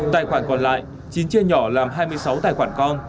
tài khoản còn lại chín chia nhỏ làm hai mươi sáu tài khoản con